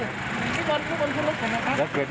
ไปดูภาพเหตุการณ์กันนะครับคุณผู้ชม